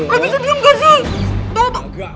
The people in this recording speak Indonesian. gak bisa diam gak sih